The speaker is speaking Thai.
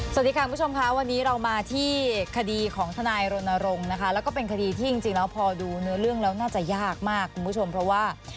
สวัสดีค่ะคุณผู้ชมค่ะวันนี้เรามาที่คดีของทนายรณรงค์นะคะแล้วก็เป็นคดีที่จริงแล้วพอดูเนื้อเรื่องแล้วน่าจะยากมากคุณผู้ชมเพราะว่า